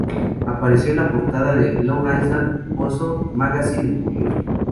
Apareció en la portada de Long Island Pulse Magazine en julio.